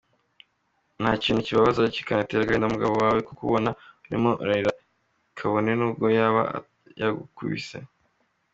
Nta kintu kibabaza kikanatera agahinda umugabo wawe kukubona urimo urarira, kabone nubwo yaba yagukuise.